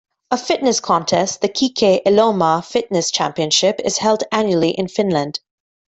A fitness contest, the Kike Elomaa Fitness Championship, is held annually in Finland.